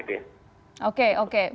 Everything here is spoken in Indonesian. sebagian dari protes